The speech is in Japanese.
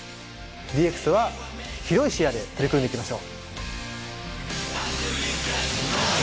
ＤＸは広い視野で取り組んでいきましょう。